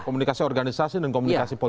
komunikasi organisasi dan komunikasi politik